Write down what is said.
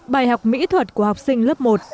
bài học mỹ thuật của học sinh lớp một